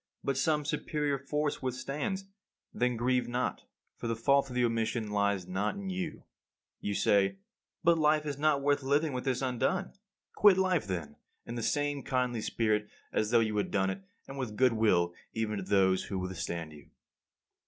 But some superior force withstands. Then grieve not, for the fault of the omission lies not in you. But life is not worth living with this undone. Quit life then, in the same kindly spirit as though you had done it, and with goodwill even to those who withstand you.